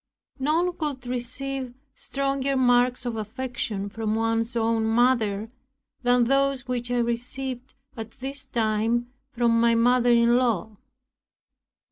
None could receive stronger marks of affection from one's own mother than those which I received at this time from my mother in law.